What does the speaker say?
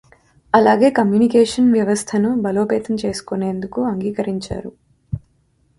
అలాగే కమ్యూనికేషన్ వ్యవస్థను బలోపేతం చేసుకొనేందుకు అంగీకరించారు.